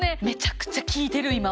めちゃくちゃ効いてる